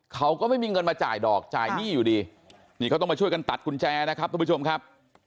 เขาก็ไม่มีเงินมาจ่ายดอกจ่ายหนี้อยู่ดีนี่เขาต้องมาช่วยกันตัดกุญแจนะครับทุกผู้ชมครับ